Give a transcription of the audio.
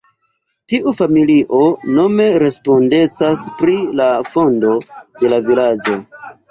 Tiu familio nome respondecas pri la fondo de la vilaĝo.